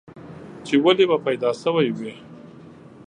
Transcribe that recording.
چې ولې به پيدا شوی وې؟